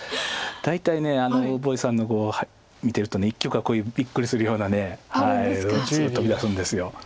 大体呉柏毅さんの碁を見てると一局はこういうビックリするような飛び出すんです。